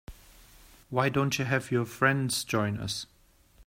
Why don't you have your friends join us?